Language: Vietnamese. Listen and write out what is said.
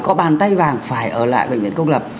có bàn tay vàng phải ở lại bệnh viện công lập